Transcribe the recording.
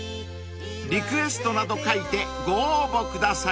［リクエストなど書いてご応募ください］